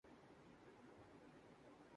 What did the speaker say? ان کا جمہوریت سے کیا واسطہ۔